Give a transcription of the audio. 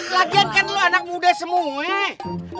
lagi kan kan lo anak muda semua